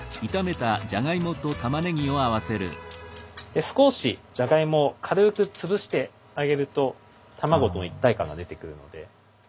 で少しじゃがいもを軽く潰してあげると卵と一体感が出てくるので。